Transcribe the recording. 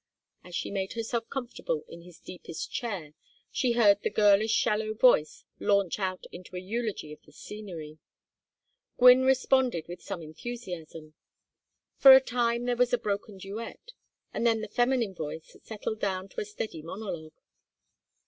As she made herself comfortable in his deepest chair she heard the girlish shallow voice launch out into a eulogy of the scenery. Gwynne responded with some enthusiasm; for a time there was a broken duet, and then the feminine voice settled down to a steady monologue.